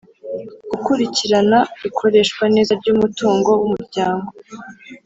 gukurikirana ikoreshwa neza ry’umutungo w’Umuryango;